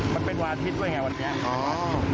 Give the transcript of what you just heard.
มันเป็นวันอาทิตย์ด้วยไงวันนี้